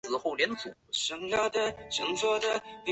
珠崖郡人。